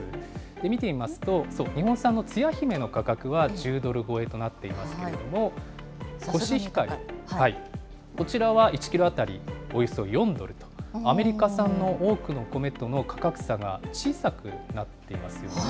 見てみますと、日本産のつや姫の価格は１０ドル超えとなっていますけれども、コシヒカリ、こちらは１キロ当たりおよそ４ドル、アメリカ産の多くのコメとの価格差が小さくなっていますよね。